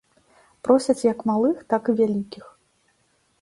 Просяць як малых, так і вялікіх.